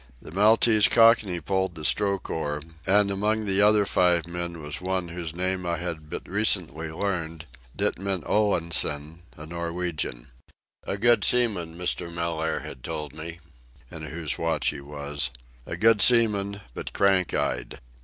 The Maltese Cockney pulled the stroke oar, and among the other five men was one whose name I had but recently learned—Ditman Olansen, a Norwegian. A good seaman, Mr. Mellaire had told me, in whose watch he was; a good seaman, but "crank eyed."